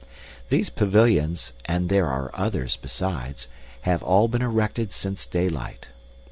These pavilions, and there are others besides, have all been erected since daylight.